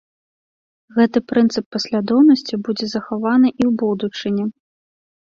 Гэты прынцып паслядоўнасці будзе захаваны і ў будучыні.